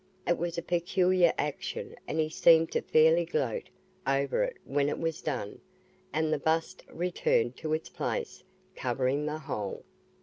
It was a peculiar action and he seemed to fairly gloat over it when it was done, and the bust returned to its place, covering the hole.